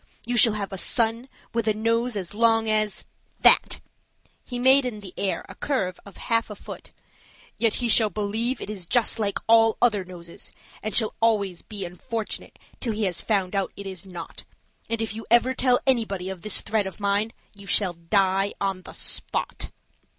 You shall have a son with a nose as long as that;" he made in the air a curve of half a foot; "yet he shall believe it is just like all other noses, and shall be always unfortunate till he has found out it is not. And if you ever tell anybody of this threat of mine, you shall die on the spot."